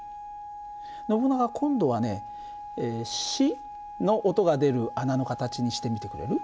ノブナガ今度はねシの音が出る穴の形にしてみてくれる？